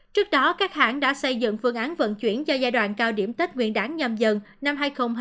trước đó các hãng đã xây dựng phương án vận chuyển cho giai đoạn cao điểm tết nguyên đáng nhằm dần năm hai nghìn hai mươi hai